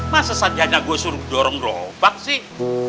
masa sarjana gue suruh dorong dorong bang sih